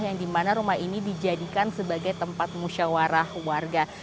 yang dimana rumah ini dijadikan sebagai tempat musyawarah warga